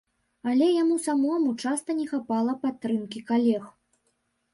Але яму самому часта не хапала падтрымкі калег.